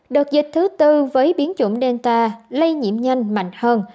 đợt dịch thứ tư với biến chủng delta lây nhiễm nhanh mạnh hơn